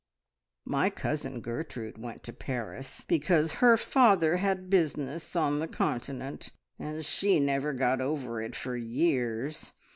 My cousin Gertrude went to Paris, because her father had business on the Continent, and she never got over it for years.